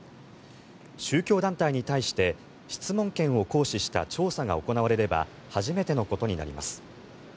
宗教団体に対して質問権を行使した調査が行われれば初めてのことになります。